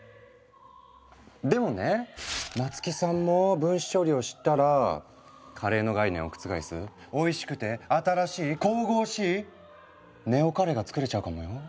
でもね松木さんも分子調理を知ったらカレーの概念を覆すおいしくて新しい神々しいネオカレーが作れちゃうかもよ。